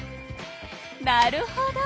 なるほど！